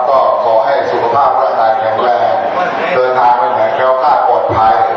แล้วก็ขอให้สุขภาพร่าทายแข็งแรงเดินทางไหนแค่ว่าค่าปลอดภัยนะ